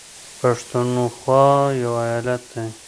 پښنونخوا يو ايالت دى